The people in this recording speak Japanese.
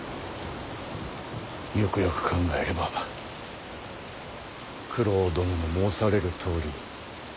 よくよく考えれば九郎殿の申されるとおり。